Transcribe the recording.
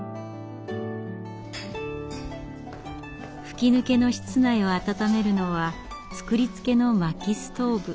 吹き抜けの室内を暖めるのは作りつけの薪ストーブ。